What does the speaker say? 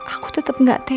aku tetep gak tegas